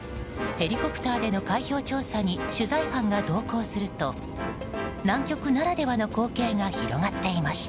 ヘリコプターでの海氷調査に取材班が同行すると南極ならではの光景が広がっていました。